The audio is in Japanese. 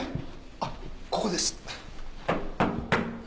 あっここです。